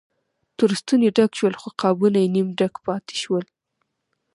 تر ستوني ډک شول خو قابونه یې نیم ډک پاتې شول.